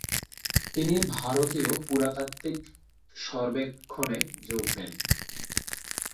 তিনি ভারতীয় পুরাতাত্ত্বিক সর্বেক্ষণে যোগ দেন।